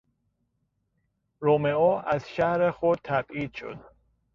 رومئو از شهر خود تبعید شد.